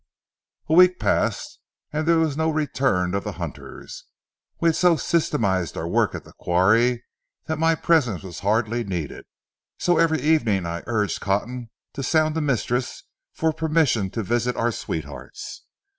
A week passed and there was no return of the hunters. We had so systematized our work at the quarry that my presence was hardly needed, so every evening I urged Cotton to sound the mistress for permission to visit our sweethearts.